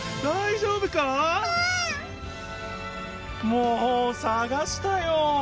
もうさがしたよ。